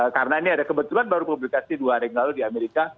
karena ini ada kebetulan baru publikasi dua hari lalu di amerika